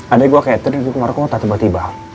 adanya gua kayak tidur di luar kota tiba tiba